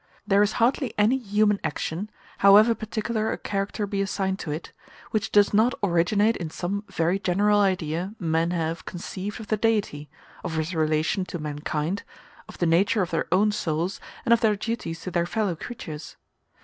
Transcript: There is hardly any human action, however particular a character be assigned to it, which does not originate in some very general idea men have conceived of the Deity, of his relation to mankind, of the nature of their own souls, and of their duties to their fellow creatures.